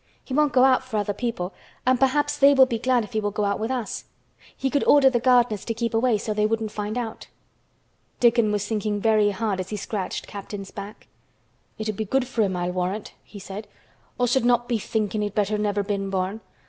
He won't go out for other people and perhaps they will be glad if he will go out with us. He could order the gardeners to keep away so they wouldn't find out." Dickon was thinking very hard as he scratched Captain's back. "It'd be good for him, I'll warrant," he said. "Us'd not be thinkin' he'd better never been born.